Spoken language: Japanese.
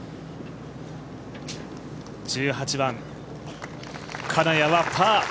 １８番、金谷はパー。